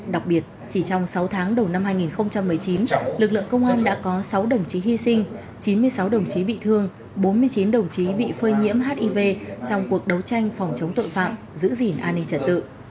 đặc biệt chỉ trong sáu tháng đầu năm hai nghìn một mươi chín lực lượng công an đã có sáu đồng chí hy sinh chín mươi sáu đồng chí bị thương bốn mươi chín đồng chí bị phơi nhiễm hiv trong cuộc đấu tranh phòng chống tội phạm giữ gìn an ninh trật tự